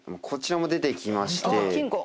こちらも出てきまして。